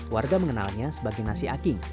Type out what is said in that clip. warga mengenalnya sebagai nasi aking